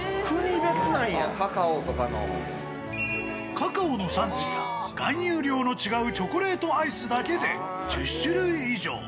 カカオの産地や含有量の違うチョコレートアイスだけで１０種類以上。